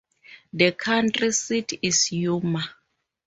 The county seat is Yuma.